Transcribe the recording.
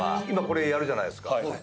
今これやるじゃないですか。